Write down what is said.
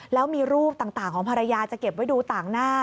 แล้วมีรูปต่างของภรรยาจะเก็บไว้ดูต่างหน้า